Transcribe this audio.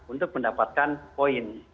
untuk mendapatkan poin